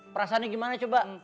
perasaannya gimana coba